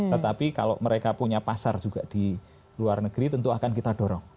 tetapi kalau mereka punya pasar juga di luar negeri tentu akan kita dorong